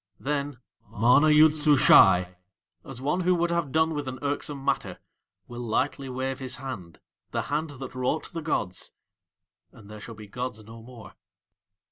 Then MANA YOOD SUSHAI, as one who would have done with an irksome matter, will lightly wave his hand the hand that wrought the gods and there shall be gods no more.